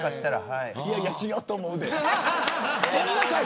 いや違うと思うで。